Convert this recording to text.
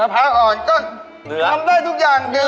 มะพร้าวอ่อนก็ทำได้ทุกอย่างเนื้อละ